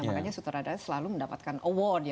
makanya sutradara selalu mendapatkan award ya